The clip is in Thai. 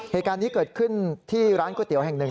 เหตุการณ์นี้เกิดขึ้นที่ร้านก๋วยเตี๋ยวแห่งหนึ่ง